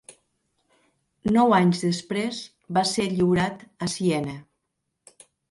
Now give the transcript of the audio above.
Nou anys després va ser lliurat a Siena.